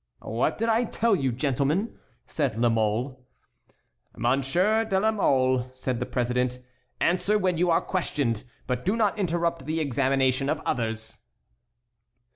"What did I tell you, gentlemen?" said La Mole. "Monsieur de la Mole," said the president, "answer when you are questioned, but do not interrupt the examination of others."